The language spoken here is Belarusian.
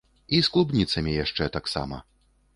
І з клубніцамі яшчэ таксама!